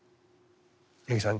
八木さん